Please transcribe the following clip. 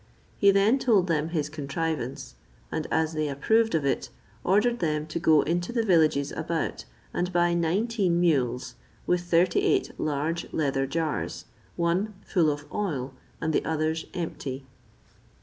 He then told them his contrivance; and as they approved of it, ordered them to go into the villages about, and buy nineteen mules, with thirty eight large leather jars, one full of oil, and the others empty.